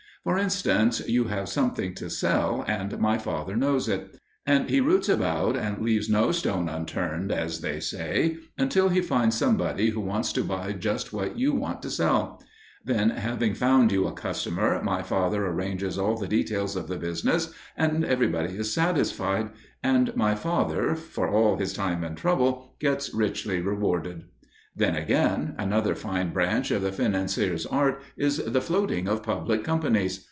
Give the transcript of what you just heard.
For instance, you have something to sell, and my father knows it. And he routs about and leaves no stone unturned, as they say, until he finds somebody who wants to buy just what you want to sell. Then, having found you a customer, my father arranges all the details of the business, and everybody is satisfied, and my father, for all his time and trouble, gets richly rewarded. Then, again, another fine branch of the financier's art is the floating of public companies.